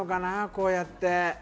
こうやって。